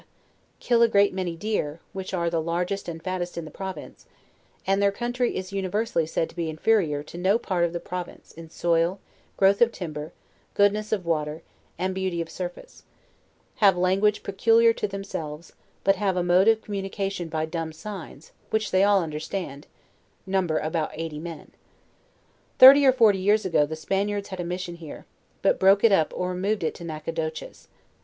kill a great many deer, which are the largest and fattest in the province; and their country is universally said to* be inferior to no part 10 146 JOURNAL OF of the province in soil, growth of timber, goodness of water, and beauty of surface; have language peculiar to themselves, but have a mode of communication by dumb signs, which they all understand; number about eighty men. Thirty or forty years ago, the Spaniards had a mission here, but broke it up or removed it to Nacogdoches.